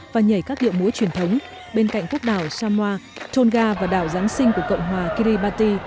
và nhảy các điệu múa truyền thống bên cạnh quốc đảo samoa tonga và đảo giáng sinh của cộng hòa kiribati